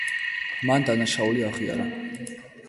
მან დანაშაული აღიარა.